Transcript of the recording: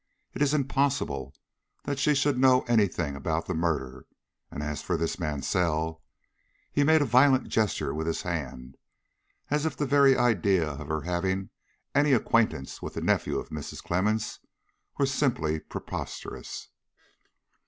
It is impossible she should know any thing about the murder; and, as for this Mansell " He made a violent gesture with his hand, as if the very idea of her having any acquaintance with the nephew of Mrs. Clemmens were simply preposterous.